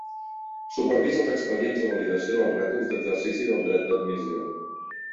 Supervisa els expedients de validació dels rètols d'exercici del dret d'admissió.